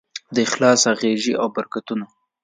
د اخلاص اغېزې او برکتونه